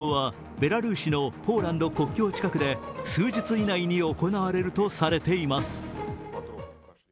２回目の交渉はベラルーシのポーランド国境近くで数日以内に行われるとされています。